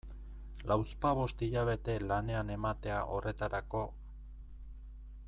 Lauzpabost hilabete lanean ematea horretarako...